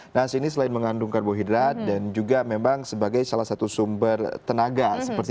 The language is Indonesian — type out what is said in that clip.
nah ini selain mengandung karbohidrat dan juga memang sebagai salah satu sumber tenaga